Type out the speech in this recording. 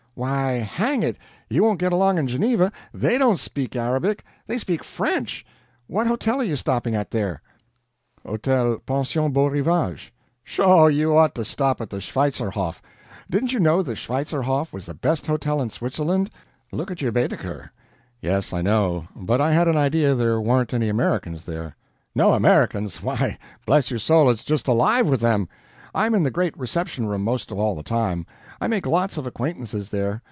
"Why, hang it, you won't get along in Geneva THEY don't speak Arabic, they speak French. What hotel are you stopping at here?" "Hotel Pension Beaurivage." "Sho, you ought to stop at the Schweitzerhof. Didn't you know the Schweitzerhof was the best hotel in Switzerland? look at your Baedeker." "Yes, I know but I had an idea there warn't any Americans there." "No Americans! Why, bless your soul, it's just alive with them! I'm in the great reception room most all the time. I make lots of acquaintances there.